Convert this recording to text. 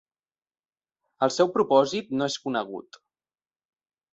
El seu propòsit no és conegut.